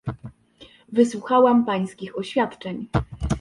Wysłuchałam pańskich oświadczeń